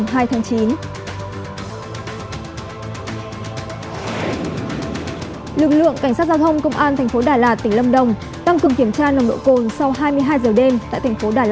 hãy đăng ký kênh để nhận thông tin nhất